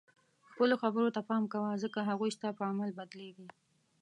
خپلو خبرو ته پام کوه ځکه هغوی ستا په عمل بدلیږي.